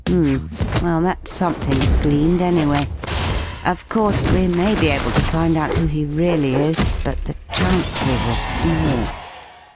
"H'm. Well, that's something gleaned, anyway. Of course we may be able to find out who he really is, but the chances are small.